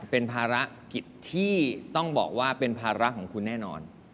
เป็นภารกิจที่ต้องบอกว่าเป็นภาระของคุณแน่นอน